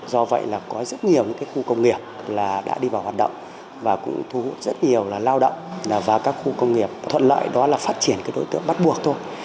do vậy là có rất nhiều những khu công nghiệp đã đi vào hoạt động và cũng thu hút rất nhiều là lao động và các khu công nghiệp thuận lợi đó là phát triển cái đối tượng bắt buộc thôi